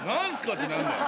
って何だよ。